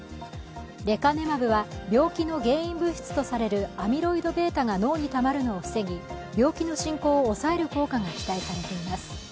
レカネマブは病気の原因物質とされるアミロイドβが脳にたまるのを防ぎ、病気の進行を抑える効果が期待されています。